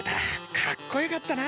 かっこよかったな？